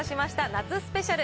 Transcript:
夏スペシャル。